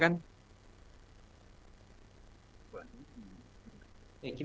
apa yang kamu ingin katakan pada saat ini